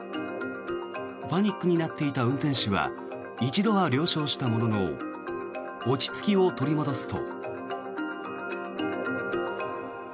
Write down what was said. パニックになっていた運転手は一度は了承したものの落ち着きを取り戻すと。